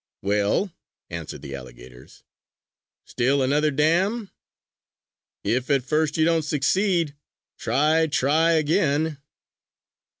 "Well?" answered the alligators. "Still another dam?" "If at first you don't succeed, try, try, again!"